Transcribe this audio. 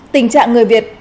tình trạng người việt